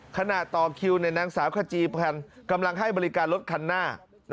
ขณะต่อคิวนางสาวขจีพันธ์กำลังให้บริการรถคันหน้า